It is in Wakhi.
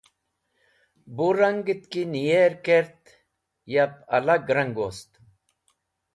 Bu rangẽt ki neyẽr kert yab alag rang wost.